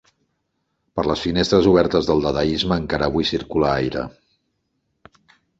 Per les finestres obertes del dadaisme encara avui circula aire.